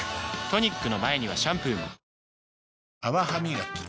トニックの前にはシャンプーも泡ハミガキ。